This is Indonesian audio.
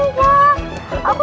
apa asal lu pak